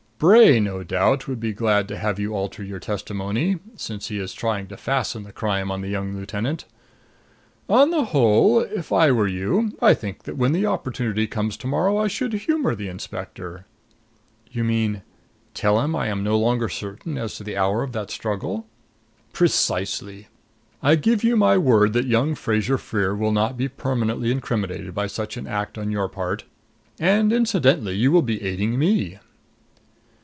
"Bray no doubt would be glad to have you alter your testimony, since he is trying to fasten the crime on the young lieutenant. On the whole, if I were you, I think that when the opportunity comes to morrow I should humor the inspector." "You mean tell him I am no longer certain as to the hour of that struggle?" "Precisely. I give you my word that young Fraser Freer will not be permanently incriminated by such an act on your part. And incidentally you will be aiding me."